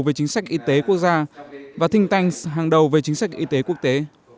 về chính sách y tế quốc gia và thinh tăng hàng đầu về chính sách y tế quốc tế